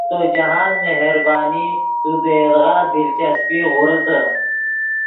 تو جاہند مہربانی تو دے یدغا دلچسپی غوریتے